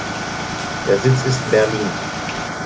Der Sitz ist Berlin.